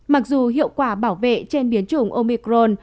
mặc dù hiệu quả bảo vệ trên biến chủng omicron